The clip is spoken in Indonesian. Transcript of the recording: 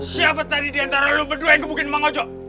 siapa tadi diantara lu berdua yang kebukin emang ojo